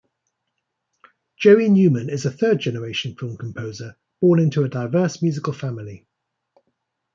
Joey Newman is a third generation film composer born into a diverse, musical family.